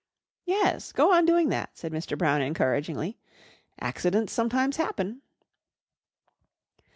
"Yes, go on doing that," said Mr. Brown encouragingly. "Accidents sometimes happen."